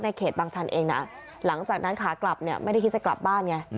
ในเขตบางชันเองหลังจากนั้นขากลับไม่ได้คิดจะกลับบ้าน